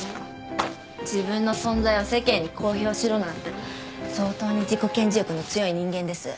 自分の存在を世間に公表しろなんて相当に自己顕示欲の強い人間です。